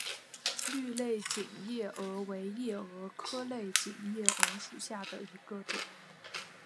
绿类锦夜蛾为夜蛾科类锦夜蛾属下的一个种。